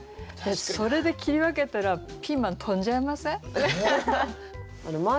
それで切り分けたらピーマン飛んじゃいません？